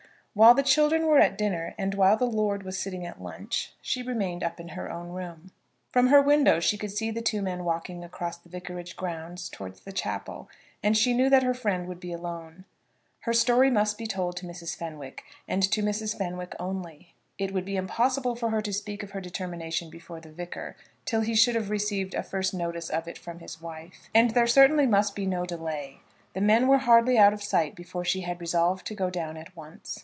While the children were at dinner, and while the lord was sitting at lunch, she remained up in her own room. From her window she could see the two men walking across the vicarage grounds towards the chapel, and she knew that her friend would be alone. Her story must be told to Mrs. Fenwick, and to Mrs. Fenwick only. It would be impossible for her to speak of her determination before the Vicar till he should have received a first notice of it from his wife. And there certainly must be no delay. The men were hardly out of sight before she had resolved to go down at once.